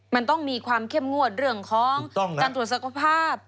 มันต้องมีความเข้มงวดเรื่องของการตรวจสุขภาพ